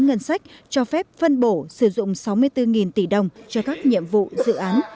ngân sách cho phép phân bổ sử dụng sáu mươi bốn tỷ đồng cho các nhiệm vụ dự án